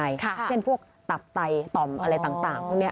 ในเรื่องของพวกอวัยวะภายใน